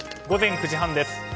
午前９時半です。